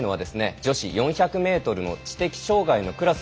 女子４００ｍの知的障がいのクラス。